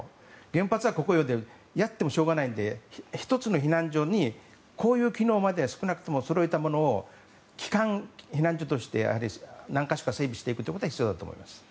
原発はここよでやってもしょうがないので１つの避難所にこういう機能まで備えたものを基幹避難所として何か所か整備することが必要だと思います。